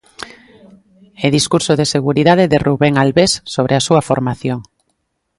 E discurso de seguridade de Rubén Albés sobre a súa formación.